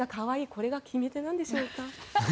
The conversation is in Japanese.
これが決め手なんでしょうか。